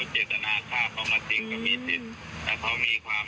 หลังจากพบศพผู้หญิงปริศนาตายตรงนี้ครับ